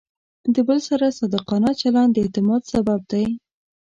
د بل سره صادقانه چلند د اعتماد سبب دی.